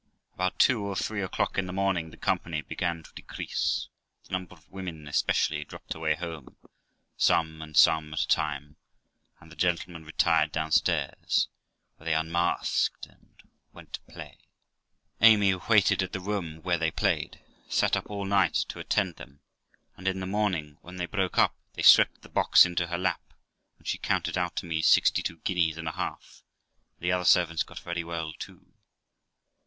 About two or three o'clock in the morning the company began to decrease ; the number of women especially dropped away home, some and some at a time; and the gentlemen retired downstairs, where they unmasked and went to play. Amy waited at the room where they played, sat up all night to attend them, and in the morning, when they broke up, they swept the box into her lap, when she counted out to me sixty two guineas and a half; and the other servants got very well too.